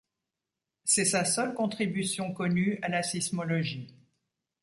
C'est sa seule contribution connue à la sismologie.